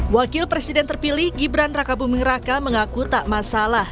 wakil presiden terpilih gibran raka buming raka mengaku tak masalah